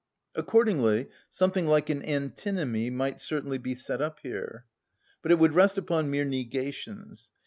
Accordingly something like an antinomy might certainly be set up here. But it would rest upon mere negations.